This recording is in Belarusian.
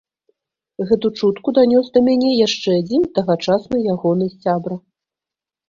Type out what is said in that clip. Гэту чутку данёс да мяне яшчэ адзін тагачасны ягоны сябра.